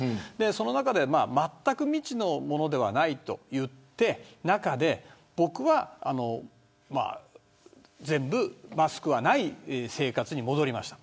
その中でまったく未知のものではないといって僕は全部マスクがない生活に戻りました。